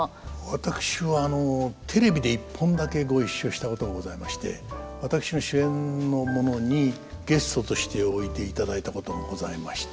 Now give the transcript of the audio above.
私はテレビで一本だけご一緒したことがございまして私の主演のものにゲストとしておいでいただいたことがございまして。